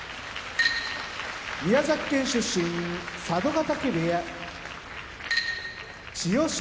宮崎県出身佐渡ヶ嶽部屋千代翔